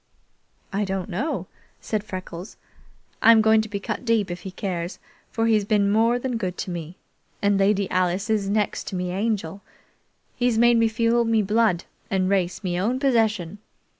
"I don't know," said Freckles. "I am going to be cut deep if he cares, for he's been more than good to me, and Lady Alice is next to me Angel. He's made me feel me blood and race me own possession.